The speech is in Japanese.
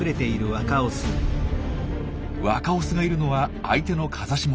若オスがいるのは相手の風下。